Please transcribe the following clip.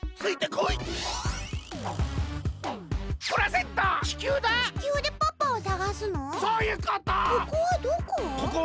ここはどこ？